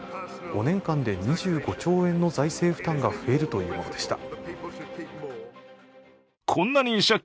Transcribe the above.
５年間で２５兆円の財政負担が増えるというものでした。